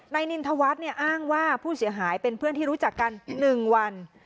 นินทวัฒน์อ้างว่าผู้เสียหายเป็นเพื่อนที่รู้จักกัน๑วัน